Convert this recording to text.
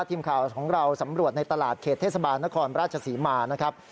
ทีมข่าวของเราสำรวจในตลาดเขตเทศบาลนครราชศรีมานะครับ